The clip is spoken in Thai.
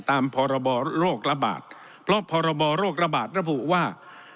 ตามพรบโรคระบาดเพราะพรบโรคระบาดระบุว่า